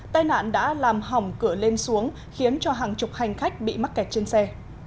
tai nạn đã làm hỏng cửa lên xuống khiến cho hàng chục hành khách bị mắc kẹt trên xe